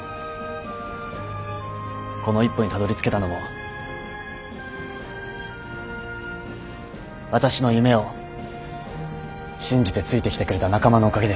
この一歩にたどりつけたのも私の夢を信じてついてきてくれた仲間のおかげです。